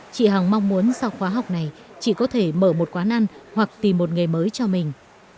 chị hằng mong muốn sau khóa học này chị có thể mở một quán ăn hoặc tìm một nghề mới cho mình